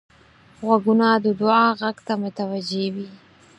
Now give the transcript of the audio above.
غوږونه د دعا غږ ته متوجه وي